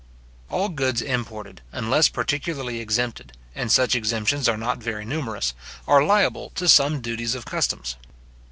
All goods imported, unless particularly exempted, and such exemptions are not very numerous, are liable to some duties of customs.